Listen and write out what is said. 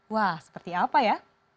wah seperti apa ya